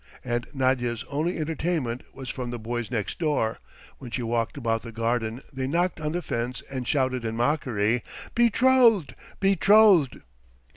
And Nadya's only entertainment was from the boys next door; when she walked about the garden they knocked on the fence and shouted in mockery: "Betrothed! Betrothed!"